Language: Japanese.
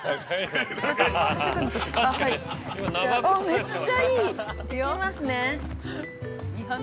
◆めっちゃいい。